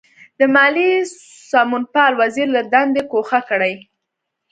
د مالیې سمونپال وزیر له دندې ګوښه کړي.